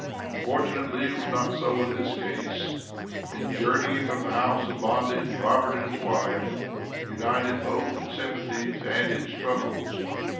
Fortunately, it was not so in this case. In journeying from the house of bondage, Robert and his wife were united both in sympathies and in struggles.